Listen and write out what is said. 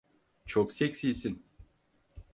Çok seksisin.